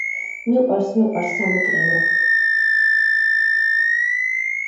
მიყვარს მიყვარს სამეგრელო